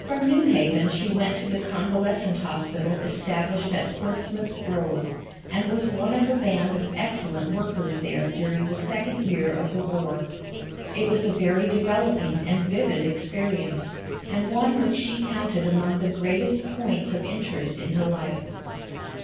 From New Haven she went to the Convalescent Hospital established at Portsmouth Grove, and was one of a band of excellent workers there during the second year of the war. It was a very developing and vivid experience, and one which she counted among the greatest points of interest in her life.